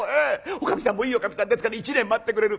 女将さんもいい女将さんですから１年待ってくれる。